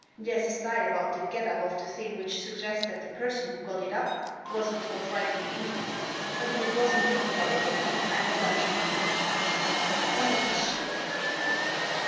There's a style about the get up of the thing which suggests that the person who got it up wasn't taught writing in England ; but if it wasn't written by a woman, I'm a Dutchman." "Then it was she."